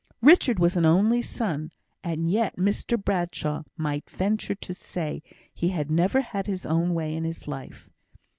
Richard was an only son, and yet Mr Bradshaw might venture to say, he had never had his own way in his life.